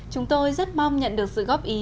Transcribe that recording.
chúng tôi rất mong nhận được sự góp ý